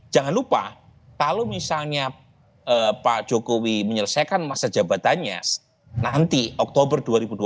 jangan lupa kalau misalnya pak jokowi menyelesaikan masa jabatannya nanti oktober dua ribu dua puluh